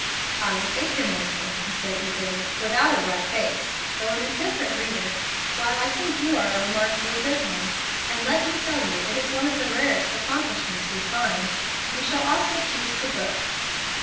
"I will take your medicine," he said, eagerly, "without a wry face, though an indifferent reader, while I think you are a remarkably good one; and let me tell you it is one of the rarest accomplishments we find. You shall also choose the book."